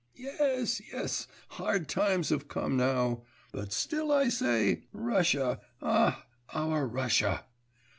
Yes, yes, hard times have come now! But still I say, Russia ... ah, our Russia!